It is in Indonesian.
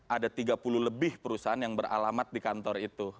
ada tiga puluh lebih perusahaan yang beralamat di kantor itu